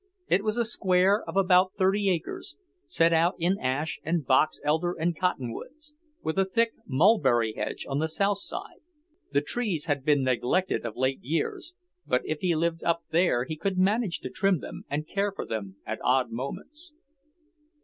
It was a square of about thirty acres, set out in ash and box elder and cotton woods, with a thick mulberry hedge on the south side. The trees had been neglected of late years, but if he lived up there he could manage to trim them and care for them at odd moments.